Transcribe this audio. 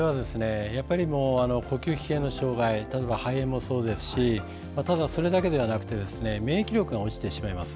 呼吸器系の障害例えば肺炎もそうですしただ、それだけではなくて免疫力が落ちてしまいます。